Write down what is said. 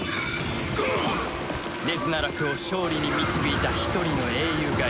デズナラクを勝利に導いた一人の英雄がいる。